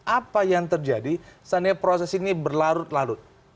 apa yang terjadi saatnya proses ini berlarut larut